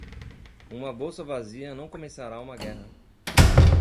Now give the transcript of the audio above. Uma bolsa vazia não começará uma guerra.